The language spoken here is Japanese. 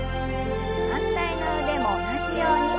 反対の腕も同じように。